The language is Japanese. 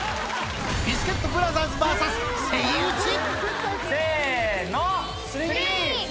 ビスケットブラザーズＶＳセイウせーの。